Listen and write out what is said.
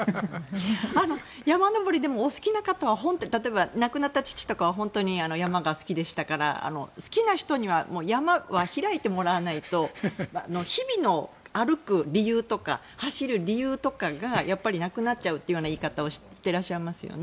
山登りはお好きな方は本当に山が好きでしたから好きな人には山は開いてもらわないと日々の歩く理由とか走る理由とかがなくなっちゃうという言い方をしてらっしゃいますよね。